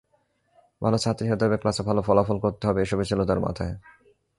ভালো ছাত্রী হতে হবে, ক্লাসে ভালো ফলাফল করতে হবে—এসবই ছিল তাঁর মাথায়।